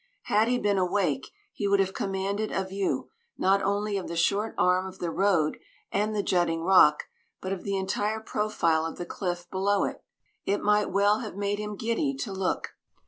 Had he been awake, he would have commanded a view, not only of the short arm of the road and the jutting rock, but of the entire profile of the cliff below it. It might well have made him giddy to look.